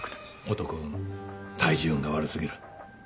男運対人運が悪すぎる。